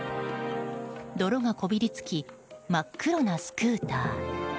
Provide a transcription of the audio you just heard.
泥がこびりつき真っ黒なスクーター。